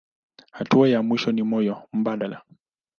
Hatua ya mwisho ni moyo mbadala.